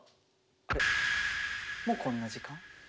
もうこんな時間？